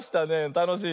たのしいね。